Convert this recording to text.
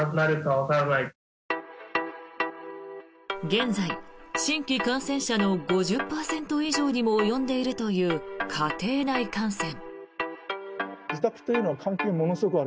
現在、新規感染者の５０％以上にも及んでいるという家庭内感染。